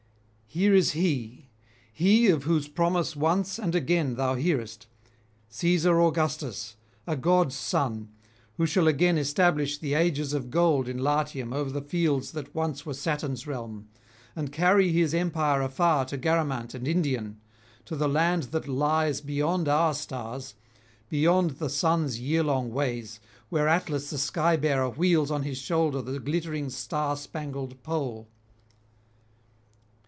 Here is he, he of whose promise once and again thou hearest, Caesar Augustus, a god's son, who shall again establish the ages of gold in Latium over the fields that once were Saturn's realm, and carry his empire afar to Garamant and Indian, to the land that lies beyond our stars, beyond the sun's yearlong ways, where Atlas the sky bearer wheels on his shoulder the glittering star spangled pole.